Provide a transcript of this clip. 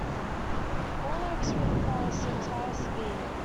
All lyrics written by Sotiris V.